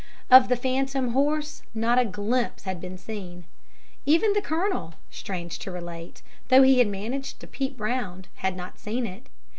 Of the phantom horse not a glimpse had been seen. Even the Colonel, strange to relate, though he had managed to peep round, had not seen it.